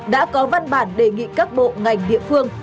đã có văn bản đề nghị các bộ ngành địa phương